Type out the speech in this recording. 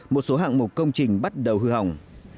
một số hạng mục công trình bắt đầu hư hỏng